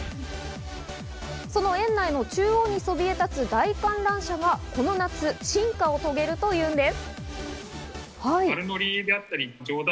その園内の中央にそびえ立つ大観覧車がこの夏、進化を遂げるというんです。